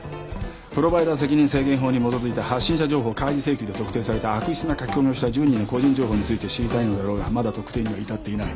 プロバイダ責任制限法に基づいた発信者情報開示請求で特定された悪質な書き込みをした１０人の個人情報について知りたいのだろうがまだ特定には至っていない。